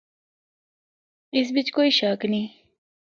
اس بچ کوئی شک نیں۔